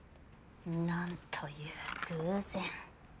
なんという偶然。